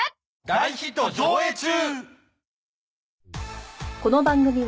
大ヒット上映中！